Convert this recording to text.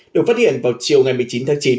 được phát hiện vào chiều ngày một mươi chín tháng chín